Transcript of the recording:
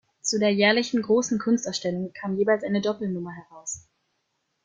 Zu der jährlichen großen Kunstausstellung kam jeweils eine Doppelnummer heraus.